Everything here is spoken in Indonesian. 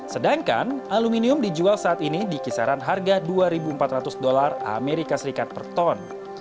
sedangkan aluminium dijual saat ini di kisaran harga dua empat ratus dolar as per ton